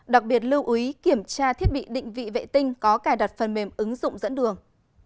đặc biệt lưu ý kiểm tra thiết bị định vị vệ tinh có cài đặt phần mềm ứng dụng dẫn đường